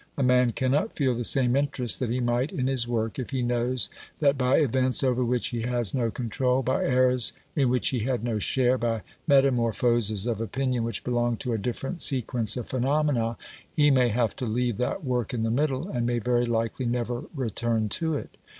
A man cannot feel the same interest that he might in his work if he knows that by events over which he has no control, by errors in which he had no share, by metamorphoses of opinion which belong to a different sequence of phenomena, he may have to leave that work in the middle, and may very likely never return to it.